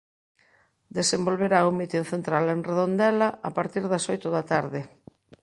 Desenvolverá o mitin central en Redondela a partir das oito da tarde.